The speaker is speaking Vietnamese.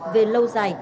về lâu dài